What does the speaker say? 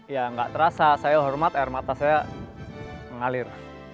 ya nggak terasa saya hormat air mata saya mengalir